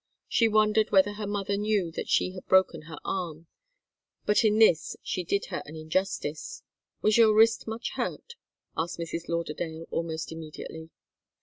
She wondered whether her mother knew that she had broken her arm. But in this she did her an injustice. "Was your wrist much hurt?" asked Mrs. Lauderdale, almost immediately.